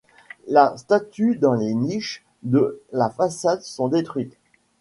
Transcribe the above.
Les statues dans les niches de la façade sont détruites.